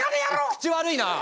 口悪いな！